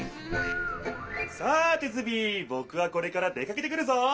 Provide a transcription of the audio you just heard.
さてズビ！ぼくはこれから出かけてくるぞ！